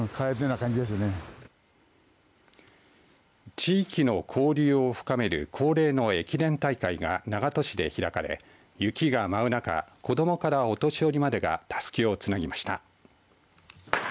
地域の交流を深める恒例の駅伝大会が長門市で開かれ雪が舞う中、子どもからお年寄りまでがたすきをつなぎました。